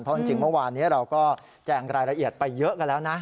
เพราะจริงเมื่อวานนี้เราก็แจงรายละเอียดไปเยอะกันแล้วนะ